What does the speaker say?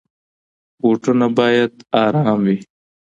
بوټونه بايد ارام وي.